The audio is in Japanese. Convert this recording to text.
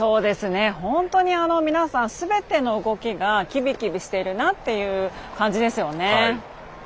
本当に皆さんすべての動きがきびきびしているなという感じですよね。